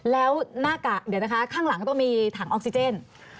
แล้วหน้ากากเดี๋ยวนะคะข้างหลังต้องมีถังออกซิเจน